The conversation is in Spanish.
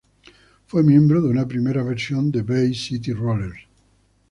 Fue miembro de una primera versión de Bay City Rollers.